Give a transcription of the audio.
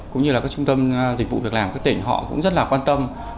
cũng như là các trung tâm dịch vụ việc làm của tỉnh họ cũng rất là quan tâm